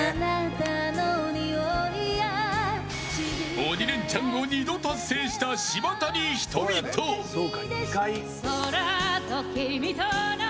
鬼レンチャンを２度達成した島谷ひとみと。